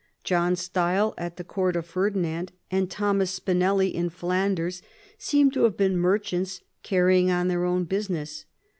John Stile at the Court of Ferdinand, and Thomas Spinelly in Flanders seem to have been merchants carrying on their own business.